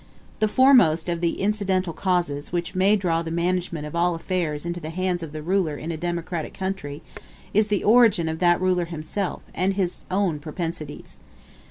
The foremost of the incidental causes which may draw the management of all affairs into the hands of the ruler in democratic countries, is the origin of that ruler himself, and his own propensities.